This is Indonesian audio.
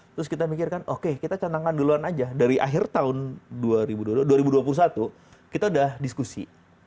terus kita mikirkan oke kita canangkan duluan aja dari akhir tahun dua ribu dua puluh satu kita udah diskusi